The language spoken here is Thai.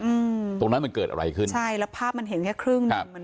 อืมตรงนั้นมันเกิดอะไรขึ้นใช่แล้วภาพมันเห็นแค่ครึ่งหนึ่งมัน